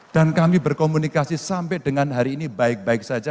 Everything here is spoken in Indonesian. dan kami berkomunikasi sampai dengan hari ini baik baik saja